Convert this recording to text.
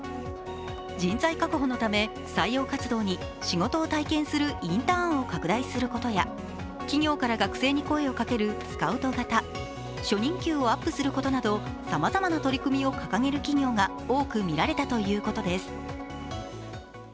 人材確保のため採用活動に仕事を体験するインターンを拡大することや企業から学生に声をかけるスカウト型、初任給をアップすることなど、さまざまな取り組みを掲げる企業が多くみられたということです。